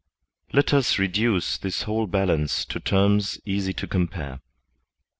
Let us reduce this whole balance to terms easy to com pare.